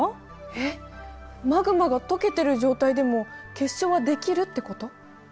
えっマグマが溶けてる状態でも結晶は出来るってこと？